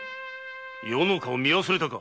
余の顔を見忘れたか